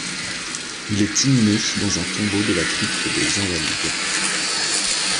Il est inhumé dans un tombeau de la Crypte des Invalides.